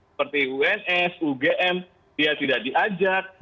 seperti uns ugm dia tidak diajak